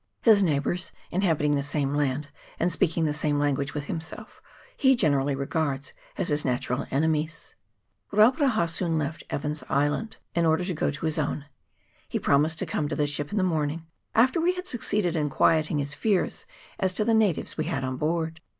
His neigh bours, inhabiting the same land and speaking the same language with himself, he generally regards as his natural enemies. Rauparaha soon left Evans's Island, in order to go to his own : he promised to come to the ship in the morning, after we had succeeded in quieting his fears as to the natives we had on board.